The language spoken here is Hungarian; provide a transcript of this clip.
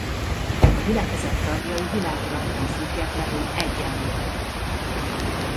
A gyülekezet tagjai világi rangtól függetlenül egyenlőek.